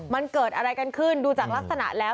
มันเกิดอะไรกันขึ้นดูจากลักษณะแล้ว